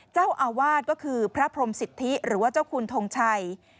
เจ้าอาวาสก็คือพระพรมสิทธิหรือว่าเจ้าคุณทงชัย